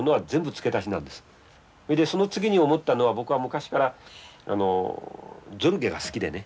その次に思ったのは僕は昔からゾルゲが好きでね。